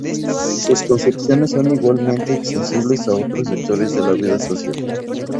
Sus concepciones son igualmente extensibles a otros sectores de la vida social.